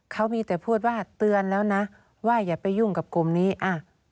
เขามีแต่พูดว่าเตือนแล้วนะว่าอย่าไปยุ่งกับกลุ่มนี้อ่ะ